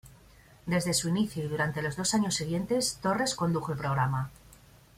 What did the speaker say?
Desde su inicio y durante los dos años siguientes, Torres condujo el programa.